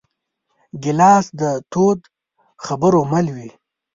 ګیلاس د تودو خبرو مل وي.